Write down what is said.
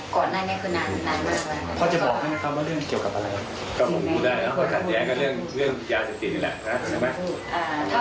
กี่คนครับ